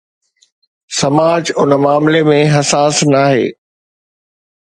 سماج ان معاملي ۾ حساس ناهي.